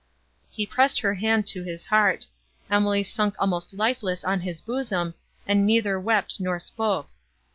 He pressed her hand to his heart. Emily sunk almost lifeless on his bosom, and neither wept, nor spoke.